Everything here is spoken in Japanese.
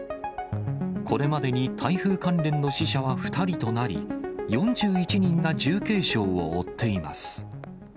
これまでに台風関連の死者は２人となり、４１人が重軽傷を負っています。